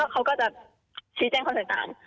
เขาก็จะชี้แจ้งความสายตาล